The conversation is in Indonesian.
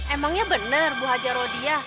emangnya bener bu haji rodia